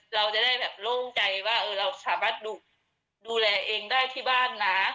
เราจะได้แบบโล่งใจว่าเราสามารถดูแลเองได้ที่บ้านนะ